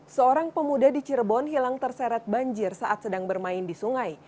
seorang pemuda di cirebon hilang terseret banjir saat sedang bermain di sungai